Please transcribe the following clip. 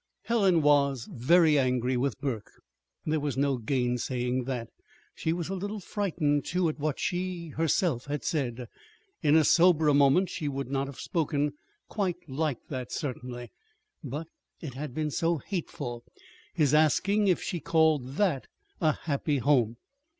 Helen was very angry with Burke. There was no gainsaying that. She was a little frightened, too, at what she herself had said. In a soberer moment she would not have spoken quite like that, certainly. But it had been so hateful his asking if she called that a happy home!